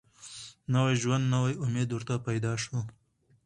نوی ژوند نوی امید ورته پیدا سو